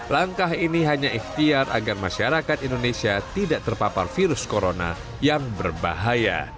langkah ini hanya ikhtiar agar masyarakat indonesia tidak terpapar virus corona yang berbahaya